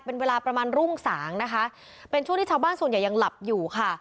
เป็นเวลาประมาณรุ่งสางนะคะเป็นช่วงที่ชาวบ้านส่วนใหญ่ยังหลับอยู่ค่ะ